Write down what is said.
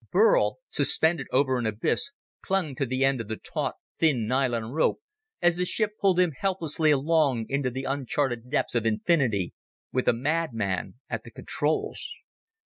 Burl, suspended over an abyss, clung to the end of the taut, thin nylon line, as the ship pulled him helplessly along into the uncharted depths of infinity, with a mad man at the controls.